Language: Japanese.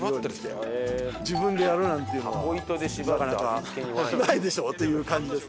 自分でやるなんていうのはなかなかないでしょ？という感じです。